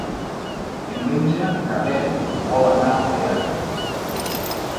Diumenge na Bet vol anar al teatre.